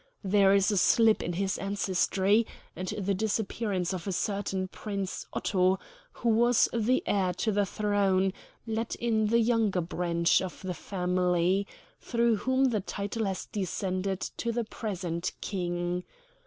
There is a slip in his ancestry, and the disappearance of a certain Prince Otto, who was the heir to the throne, let in the younger branch of the family, through whom the title has descended to the present King.